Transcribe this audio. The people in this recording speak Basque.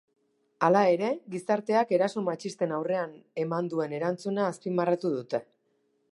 Hala ere, gizarteak eraso matxisten aurrean eman duen erantzuna azpimarratu dute.